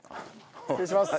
失礼します。